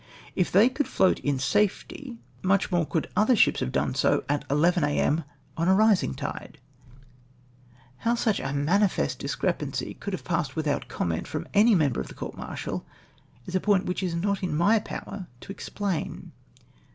If tliey could float in safety much more could other ships have done so at 11 a.m. on a risiiKj tide ? How such a manifest dis crepancy could have passed without comment from any member of the court martial, is a point which is not in my power to explain.